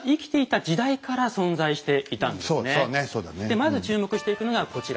まず注目していくのがこちら。